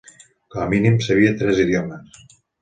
Com a mínim sabia tres idiomes.